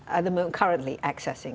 yang sedang menggunakan chatbot ini